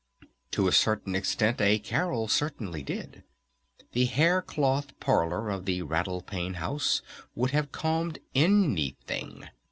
To a certain extent a carol surely did. The hair cloth parlor of the Rattle Pane House would have calmed anything.